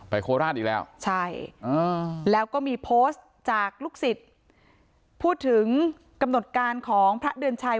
โคราชอีกแล้วใช่แล้วก็มีโพสต์จากลูกศิษย์พูดถึงกำหนดการของพระเดือนชัย